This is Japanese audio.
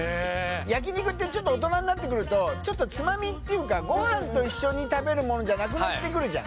焼肉ってちょっと大人になってくるとちょっとツマミっていうかご飯と一緒に食べるものじゃなくなってくるじゃん